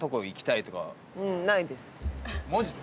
マジで？